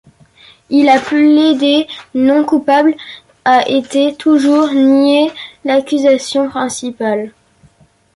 Il a plaidé non-coupable a été toujours nié l'accusation principale.